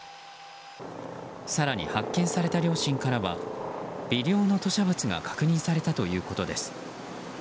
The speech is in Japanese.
更に、発見された両親からは微量の吐しゃ物が確認されたということです。